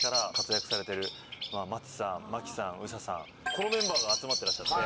このメンバーが集まってらっしゃって。